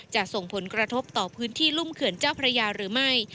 จะส่งผลกระทบต่อพื้นที่รุ่มเขื่อนเจ้าพระยาหรือไม่